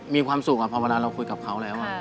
มีความสุขพอเวลาเราคุยกับเขาแล้ว